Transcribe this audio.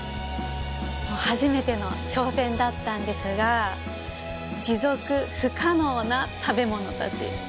初めての挑戦だったんですが持続不可能な食べ物たち。